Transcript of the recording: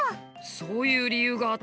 そういう理由があったんだ。